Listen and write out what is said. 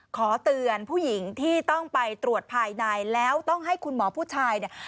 ขอเตือนผู้หญิงที่ต้องไปตรวจภายในแล้วต้องให้คุณหมอผู้ชายเนี่ย